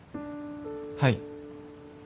はい。